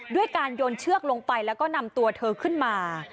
ด้วยการโยนเชือกลงไปแล้วก็นำตัวเธอขึ้นมา